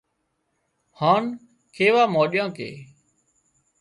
هانَ ڪيوا مانڏيان ڪي